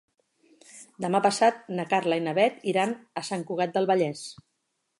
Demà passat na Carla i na Bet iran a Sant Cugat del Vallès.